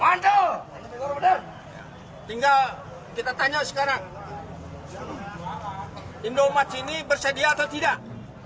anda tinggal kita tanya sekarang indomat ini bersedia atau tidak